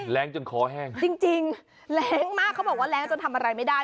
แรงจนคอแห้งจริงแรงมากเขาบอกว่าแรงจนทำอะไรไม่ได้